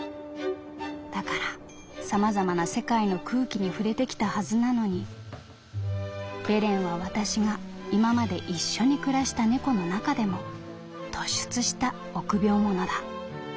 だから様々な世界の空気に触れてきたはずなのにベレンは私が今まで一緒に暮らした猫の中でも突出した臆病者だ」。